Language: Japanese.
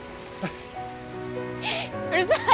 うるさい！